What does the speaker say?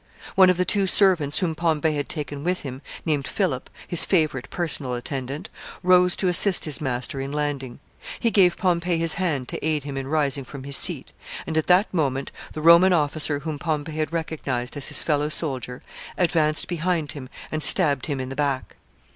One of the two servants whom Pompey had taken with him, named Philip, his favorite personal attendant, rose to assist his master in landing. He gave Pompey his hand to aid him in rising from his seat, and at that moment the Roman officer whom Pompey had recognized as his fellow soldier, advanced behind him and stabbed him in the back.